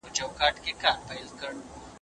له وړو او سترو لویو نهنګانو